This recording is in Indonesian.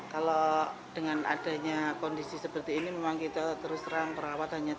kalau dengan adanya kondisi seperti ini memang kita terus terang perawat hanya tiga